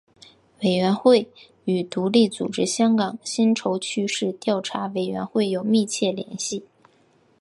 委员会与独立组织香港薪酬趋势调查委员会有密切联系。